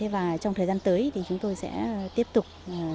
và trong thời gian tới thì chúng tôi sẽ tiếp tục